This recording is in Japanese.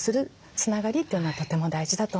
つながりというのはとても大事だと思います。